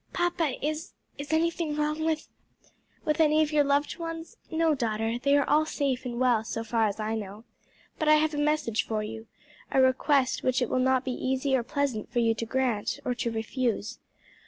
"Papa, is is anything wrong with " "With any of your loved ones? No, daughter: they are all safe and well so far as I know. But I have a message for you a request which it will not be easy or pleasant for you to grant, or to refuse.